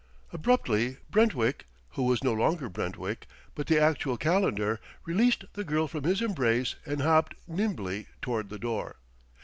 Abruptly Brentwick, who was no longer Brentwick, but the actual Calendar, released the girl from his embrace and hopped nimbly toward the door.